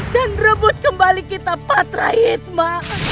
dan rebut kembali kita patra hikmah